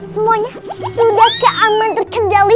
semuanya sudah keaman terkendali